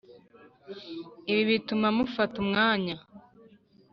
ibi bituma mufata umwanya